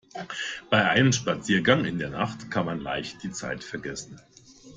Bei einem Spaziergang in der Nacht kann man leicht die Zeit vergessen.